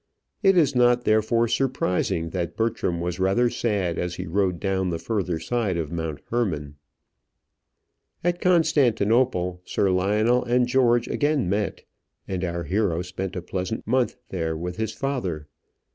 It is not therefore surprising that Bertram was rather sad as he rode down the further side of Mount Hermon. At Constantinople, Sir Lionel and George again met, and our hero spent a pleasant month there with his father.